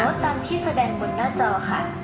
ตามที่แสดงบนหน้าจอค่ะ